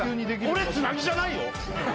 俺つなぎじゃないよ